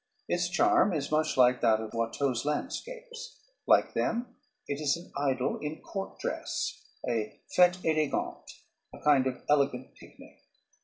Its charm is much like that of Watteau's landscapes. Like them, it is an idyll in court dress, a fête élégante, a kind of elegant picnic.